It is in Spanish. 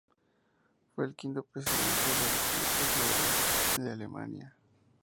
Fue el quinto presidente de la República Federal de Alemania.